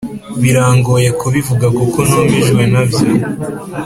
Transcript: birangoye kubivuga kuko numijwe nabyo